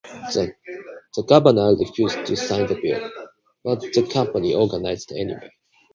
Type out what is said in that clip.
The governor refused to sign the bill, but the company organized anyway.